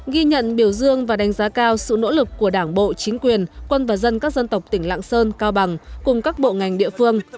ghi nhận biểu dương và đánh giá cao sự nỗ lực của đảng bộ chính quyền quân và dân các dân tộc tỉnh lạng sơn cao bằng cùng các bộ ngành địa phương